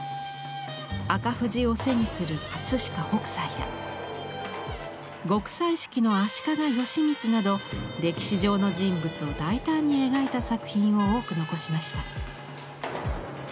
赤富士を背にする飾北斎や極彩色の足利義満など歴史上の人物を大胆に描いた作品を多く残しました。